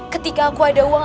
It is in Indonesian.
ketika aku ada uang